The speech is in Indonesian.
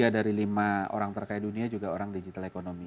tiga dari lima orang terkaya dunia juga orang digital economy